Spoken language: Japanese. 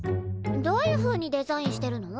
どういうふうにデザインしてるの？